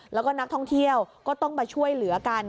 แล้วก็นักท่องเที่ยวก็ต้องมาช่วยเหลือกัน